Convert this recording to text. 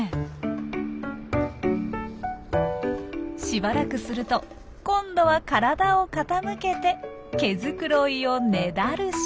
しばらくすると今度は体を傾けて毛づくろいをねだるしぐさ。